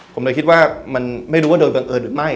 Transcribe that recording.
ผมเลยคิดว่ามันไม่รู้ว่าโดยบังเอิญหรือไม่